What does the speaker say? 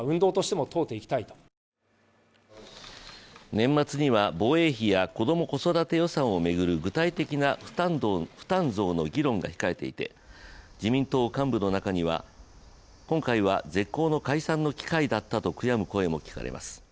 年末には防衛費や子ども・子育て予算を巡る具体的な負担増の議論が控えていて、自民党幹部の中には今回は絶好の解散の機会だったと悔やむ声も聞かれます。